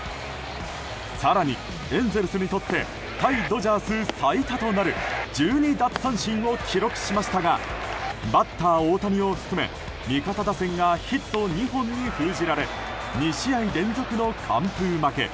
更にエンゼルスにとって対ドジャース最多となる１２奪三振を記録しましたがバッター大谷を含め味方打線がヒット２本に封じられ２試合連続の完封負け。